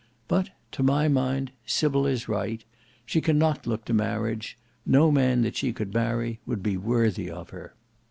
But, to my mind, Sybil is right. She cannot look to marriage: no man that she could marry would be worthy of her."